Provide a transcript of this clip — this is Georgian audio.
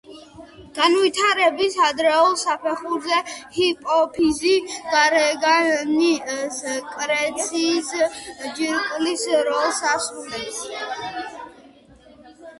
განვითარების ადრეულ საფეხურზე ჰიპოფიზი გარეგანი სეკრეციის ჯირკვლის როლს ასრულებს.